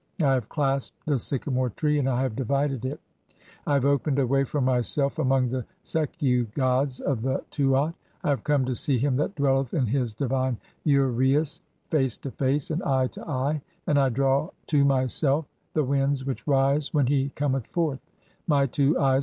"I have clasped the sycamore tree and I have divided (?) it (18); "I have opened a way for myself [among] the Sekhiu gods of the "Tuat. I have come to see him that dwelleth in his divine uraeus, "face to face and eye to (19) eye, and [I] draw to myself the "winds [which rise] when he cometh forth. My two eyes